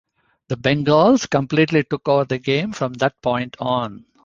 The Bengals completely took over the game from that point on.